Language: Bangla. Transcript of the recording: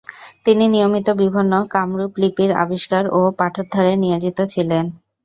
তিনি নিয়মিত বিভিন্ন কামরূপ লিপির আবিষ্কার ও পাঠোদ্ধারে নিয়োজিত ছিলেন।